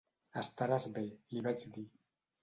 "Estaràs bé", li vaig dir.